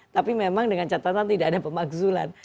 tapi memang dengan catatan tidak ada pemakzulan